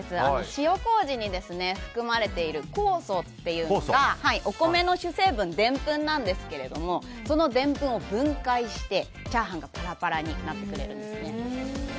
塩麹に含まれている酵素がお米の主成分でんぷんですがそのでんぷんを分解してチャーハンがパラパラになってくれるんですね。